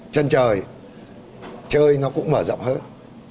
chân trời chơi nó cũng mở rộng hơn